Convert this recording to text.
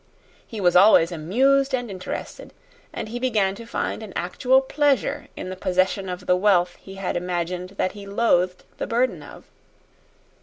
He was always amused and interested, and he began to find an actual pleasure in the possession of the wealth he had imagined that he loathed the burden of.